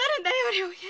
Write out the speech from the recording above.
良平